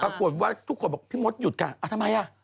ปรากฏว่าทุกคนบอกพี่มดหยุดค่ะทำไมอ่ะ